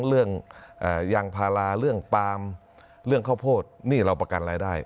เรื่องยางพาราเรื่องปาล์มเรื่องข้าวโพดนี่เราประกันรายได้